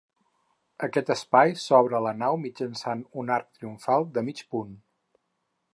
Aquest espai s'obre a la nau mitjançant un arc triomfal de mig punt.